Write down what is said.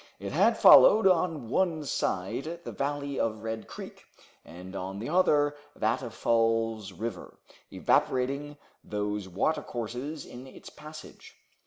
It had followed, on one side, the valley of Red Creek, and on the other that of Falls River, evaporating those watercourses in its passage.